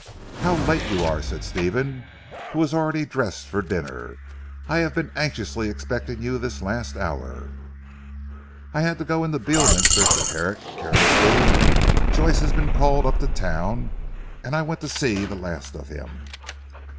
"How late you are," said Stephen who was already dressed for dinner. "I have been anxiously expecting you this last hour!" "I had to go into Beorminster," said Herrick carelessly. "Joyce has been called up to town and I went to see the last of him."